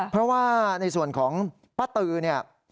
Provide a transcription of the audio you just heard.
เพราะว่าในส่วนของป้าตือเนี่ย